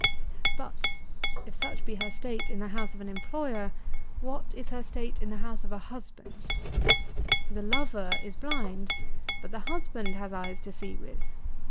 88. But, if such be her state in the house of an employer, what is her state in the house of a husband? The lover is blind; but the husband has eyes to see with.